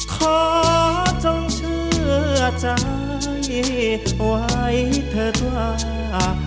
ขอจงเชื่อใจไว้เถอะจ้า